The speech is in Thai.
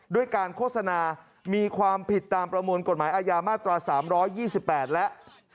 ด้วยการโฆษณามีความผิดตามประมวลกฎหมายอาญามาตรา๓๒๘และ